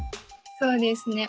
そうですね。